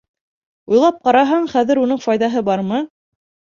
Уйлап ҡараһаң, хәҙер уның файҙаһы бармы?